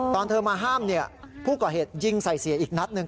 ตอนเธอมาห้ามผู้ก่อเหตุยิงใส่เสียอีกนัดหนึ่ง